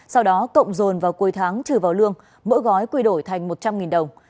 sau đó cộng dồn vào cuối tháng trừ vào lương mỗi gói quy đổi thành một trăm linh đồng